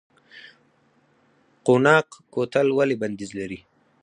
قوناق کوتل ولې بندیز لري؟